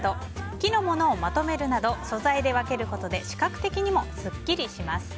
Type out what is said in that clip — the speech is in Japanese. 木のものをまとめるなど素材で分けることで視覚的にもすっきりします。